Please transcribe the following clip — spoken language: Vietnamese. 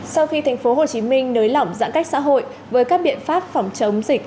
sau khi thành phố hồ chí minh nới lỏng giãn cách xã hội với các biện pháp phòng chống dịch